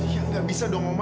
ya enggak bisa dong om